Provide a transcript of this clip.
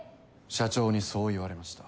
社長にそう言われました。